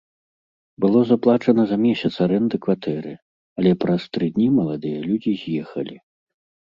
Было заплачана за месяц арэнды кватэры, але праз тры дні маладыя людзі з'ехалі.